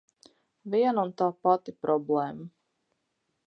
Viena un tā pati problēma!